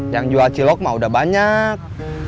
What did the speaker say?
yang jual cilok mah udah banyak